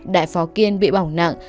đại phó kiên bị bỏng nặng